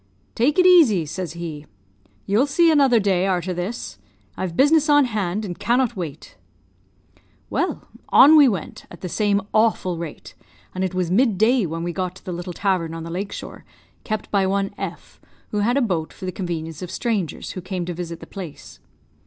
"'Take it easy,' says he; 'you'll see another day arter this I've business on hand, and cannot wait.' "Well, on we went, at the same awful rate, and it was mid day when we got to the little tavern on the lake shore, kept by one F , who had a boat for the convenience of strangers who came to visit the place.